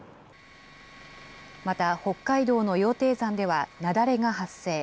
また、北海道の羊蹄山では雪崩が発生。